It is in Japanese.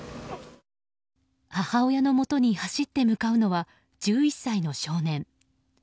母親のもとに走って向かうのは１１歳の少年。